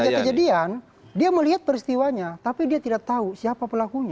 nah setelah ada kejadian dia melihat peristiwanya tapi dia tidak tahu siapa pelakunya